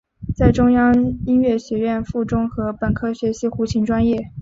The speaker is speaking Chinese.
在中央音乐学院附中和本科学习胡琴专业。